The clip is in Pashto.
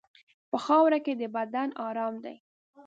په خاوره کې د بدن ارام دی.